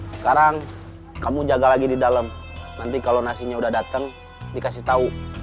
sekarang kamu jaga lagi di dalam nanti kalau nasinya udah datang dikasih tahu